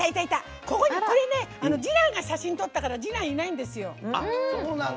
これね次男が写真撮ったから次男、いないんですよ。